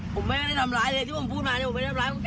ผมไม่ได้ทำร้ายเลยที่ผมพูดมาเนี่ยผมไม่ได้ทำร้ายผม